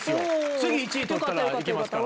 次１位取ったら行けますから。